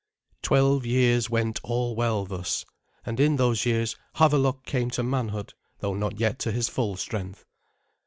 Twelve years went all well thus, and in those years Havelok came to manhood, though not yet to his full strength.